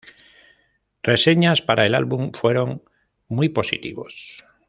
Reseñas para el álbum fueron muy positivos.